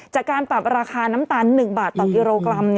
จากการปรับราคาน้ำตาล๑บาทต่อกิโลกรัม